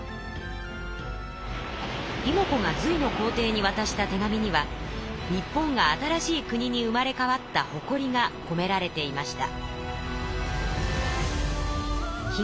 妹子が隋の皇帝にわたした手紙には日本が新しい国に生まれ変わった誇りがこめられていました。